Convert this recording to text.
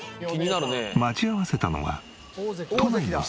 待ち合わせたのは都内のスーパー。